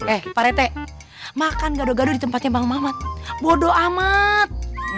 eh pak rete makan gado gado di tempatnya bang mamat bodoh amat